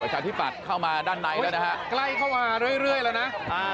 บาทพิพัสเข้ามาด้านในเนอะใกล้เข้ามาเรื่อยแล้วนะ